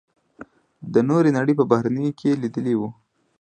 د نورې نړۍ په بهیرونو کې یې لېدلي وو.